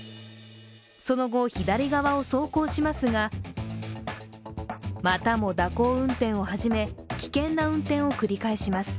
その後、左側を走行しますが、またも蛇行運転を始め危険な運転を繰り返します。